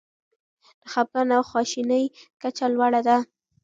د خپګان او خواشینۍ کچه لوړه ده.